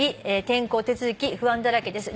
転校手続き不安だらけです」